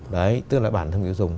đấy tức là bản thân người tiêu dùng